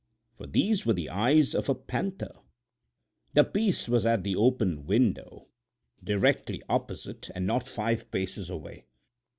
For these were the eyes of a panther. The beast was at the open window directly opposite and not five paces away.